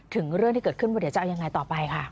ถึงเรื่องที่เกิดขึ้นว่าเดี๋ยวจะเอายังไงต่อไปค่ะ